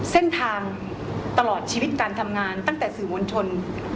ตลอดชีวิตการทำงานตั้งแต่สื่อมวลชน